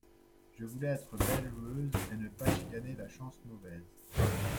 Je voulais être belle joueuse et ne pas chicaner la chance mauvaise.